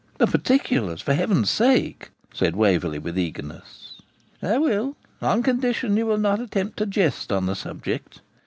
'The particulars, for heaven's sake!' said Waverley, with eagerness. 'I will, on condition you will not attempt a jest on the subject.